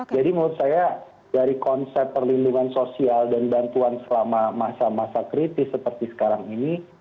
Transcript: jadi menurut saya dari konsep perlindungan sosial dan bantuan selama masa masa kritis seperti sekarang ini